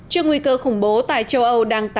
trước nguy cơ khủng bố tại châu âu đang